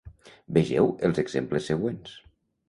Vegeu els exemples següents.